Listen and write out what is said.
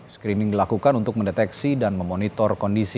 screening dilakukan untuk mendeteksi dan memonitor kondisi